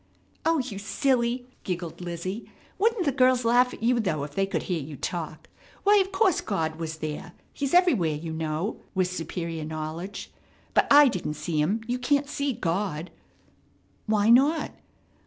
"O, you silly!" giggled Lizzie. "Wouldn't the girls laugh at you, though, if they could hear you talk? Why, of course God was there. He's everywhere, you know," with superior knowledge; "but I didn't see Him. You can't see God." "Why not?"